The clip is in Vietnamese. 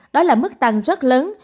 đó là mức tăng rất lớn